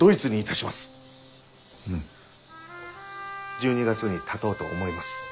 １２月にたとうと思います。